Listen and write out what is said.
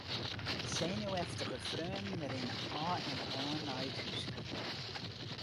De senuweftige freonen rinne ôf en oan nei it húske.